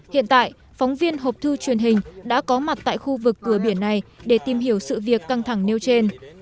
hiện tại phóng viên hộp thư truyền hình đã có mặt tại khu vực cửa biển này để tìm hiểu sự việc căng thẳng nêu trên